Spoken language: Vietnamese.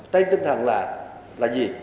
tên tinh thần là gì